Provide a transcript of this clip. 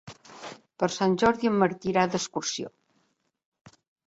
Per Sant Jordi en Martí irà d'excursió.